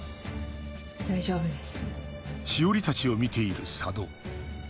大丈夫です。